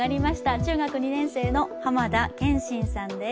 中学２年生の濱田謙心さんです。